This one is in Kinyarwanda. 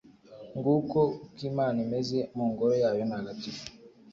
nguko uko Imana imeze mu Ngoro yayo ntagatifu